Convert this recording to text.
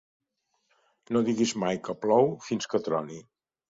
No diguis mai que plou, fins que troni.